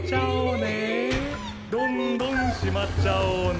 どんどんしまっちゃおうね。